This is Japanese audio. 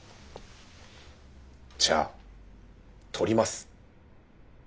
じゃあ撮ります。